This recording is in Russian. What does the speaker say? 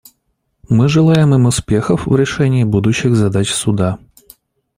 Мы желаем им успехов в решении будущих задач Суда.